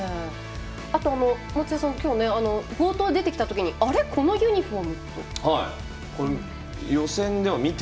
あと松也さん今日は冒頭、出てきたときあれ、このユニフォーム？って。